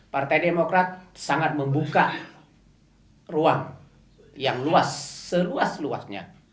partai demokrat sangat membuka ruang yang luas seruas luas